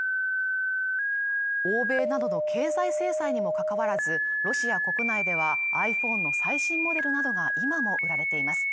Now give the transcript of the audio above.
欧米などの経済制裁にもかかわらずロシア国内ではｉＰｈｏｎｅの最新モデルなどが今も売られています